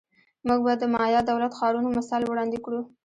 موږ به د مایا دولت ښارونو مثال وړاندې کړو